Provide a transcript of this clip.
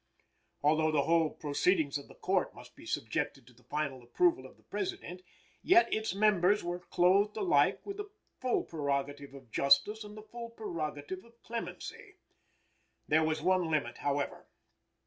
Although the whole proceedings of the Court must be subjected to the final approval of the President, yet its members were clothed alike with the full prerogative of justice and the full prerogative of clemency. There was one limit, however.